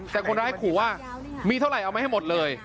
แต่คนร้ายขู่ว่ามีเท่าไหร่เอามาให้หมดเลย